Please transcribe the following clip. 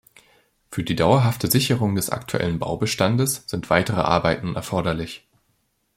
Für die dauerhafte Sicherung des aktuellen Baubestandes sind weitere Arbeiten erforderlich.